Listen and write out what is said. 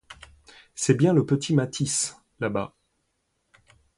C'est bien le petit Mathis, là-bas.